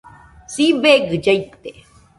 Sibegɨ llaite